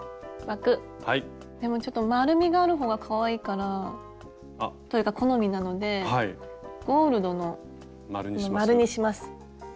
枠でもちょっと丸みがある方がかわいいから。というか好みなのでゴールドの丸にします。